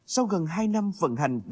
sau gần hai năm vận hành